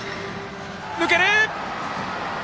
抜ける！